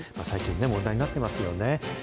最近ね、問題になってますよね。